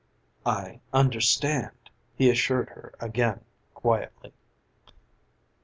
"I understand," he assured her again quietly.